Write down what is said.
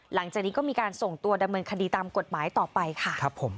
หลังจากนี้ก็มีการส่งตัวดำเนินคดีตามกฎหมายต่อไปค่ะครับผม